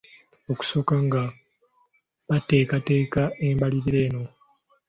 Okusooka nga bateekateeka embalirira eno.